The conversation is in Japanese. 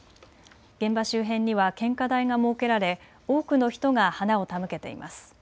現場周辺には献花台が設けられ多くの人が花を手向けています。